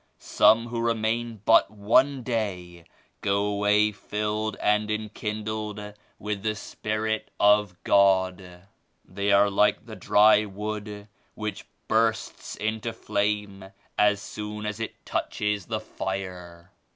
Some who remain but one day go away filled and enkindled with the Spirit of God. They are like the dry wood which bursts into flame as soon as it touches the fire.